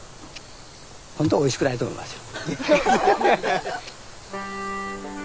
本当はおいしくないと思いますよ。